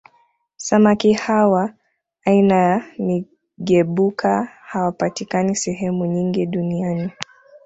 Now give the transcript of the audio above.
Samaki hawa aina ya Migebuka hawapatikani sehemu nyingine Duniani